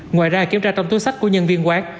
ngoài ra kiểm tra trong túi sách của nhân viên quán